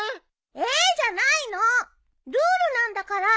じゃないの。ルールなんだから。